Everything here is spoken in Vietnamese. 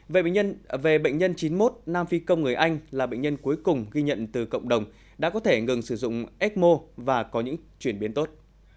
về bệnh nhân chín mươi một nam phi công người anh là bệnh nhân cuối cùng ghi nhận từ cộng đồng đã có thể ngừng sử dụng ecmo và có những chuyển biến tốt